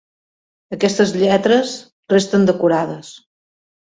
Aquestes lletres resten decorades.